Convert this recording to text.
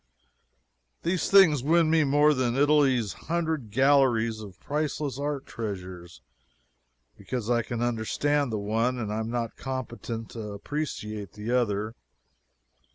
These things win me more than Italy's hundred galleries of priceless art treasures, because I can understand the one and am not competent to appreciate the other.